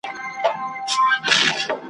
بس په زړه کي یې کراري اندېښنې سوې `